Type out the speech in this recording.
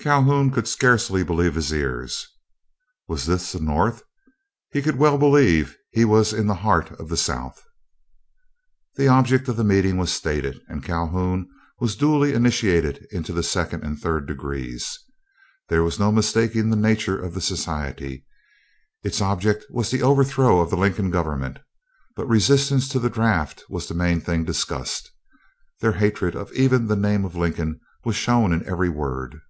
Calhoun could scarcely believe his ears. Was this the North? He could well believe he was in the heart of the South. The object of the meeting was stated, and Calhoun was duly initiated into the second and third degrees. There was no mistaking the nature of the society; its object was the overthrow of the Lincoln government. But resistance to the draft was the main thing discussed. Their hatred of even the name of Lincoln was shown in every word.